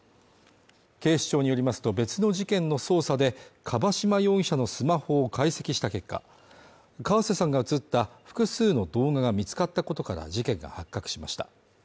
警視庁によりますと別の事件の捜査で樺島容疑者のスマホを解析した結果、河瀬さんが映った複数の動画が見つかったことから事件が発覚しました。